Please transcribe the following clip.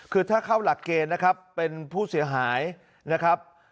คือถ้าเข้าหลักเกณฑ์นะครับเป็นผู้เสียหายนะครับ